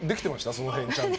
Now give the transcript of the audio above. その辺ちゃんと。